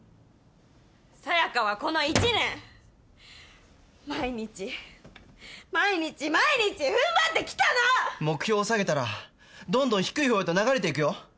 さやかはこの一年毎日毎日毎日ふんばってきたの目標を下げたらどんどん低い方へと流れていくよ